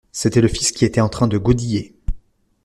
C’était le fils qui était en train de godiller.